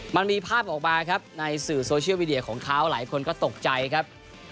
มันมีภาพออกมาครับในสื่อโซเชียลมีเดียของเขาหลายคนก็ตกใจครับ